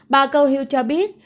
bà gohil cho biết